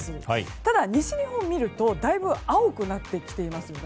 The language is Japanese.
ただ、西日本を見るとだいぶ青くなってきていますね。